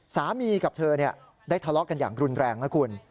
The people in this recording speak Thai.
สามีกับเธอได้ทะเลาะกันอย่างรุนแรงนะคุณ